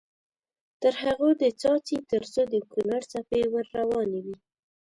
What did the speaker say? تر هغو دې څاڅي تر څو د کونړ څپې ور روانې وي.